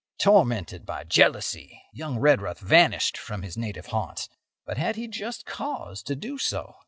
Tormented by jealousy, young Redruth vanished from his native haunts. But had he just cause to do so?